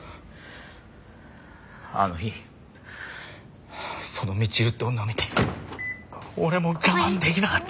あの日そのみちるって女を見て俺もう我慢できなかった！